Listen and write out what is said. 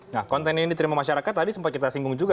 nah konten yang diterima masyarakat tadi sempat kita singgung juga